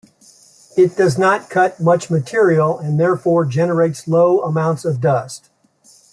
It does not cut much material and therefore generates low amounts of dust.